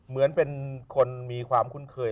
แข่งมึกเมินเป็นคนมีความคุ้นเคย